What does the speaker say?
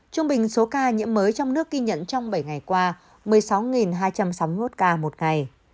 trung bình số ca nhiễm mới trong nước ghi nhận trong bảy ngày qua một mươi sáu hai trăm sáu mươi một ca một ngày